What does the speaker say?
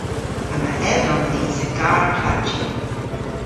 Yma edhomm dhis a garr klavji.